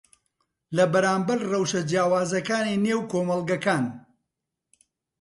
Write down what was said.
لەبەرامبەر ڕەوشە جیاوازەکانی نێو کۆمەڵگەکان